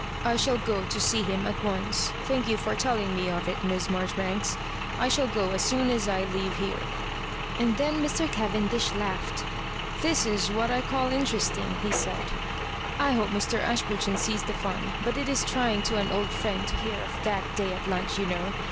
I shall go to see him at once. Thank you for telling me of it. Miss Marjoribanks ; I shall go as soon as I leave here." And then Mr. Cavendish laughed. "This is what I call interesting," he said. " I hope Mr, Ashburton sees the fun ; but it is trying to an old friend to hear of t?iat day at lunch, you know.